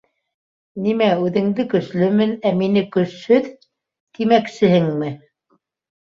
Нимә, үҙеңде көслөмөн, ә мине көсһөҙ тимәксеһеңме?